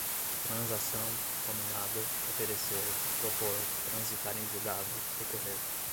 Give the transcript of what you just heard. transação, cominada, oferecer, propor, transitar em julgado, recorrer